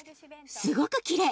すごくきれい。